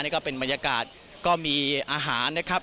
นี่ก็เป็นบรรยากาศก็มีอาหารนะครับ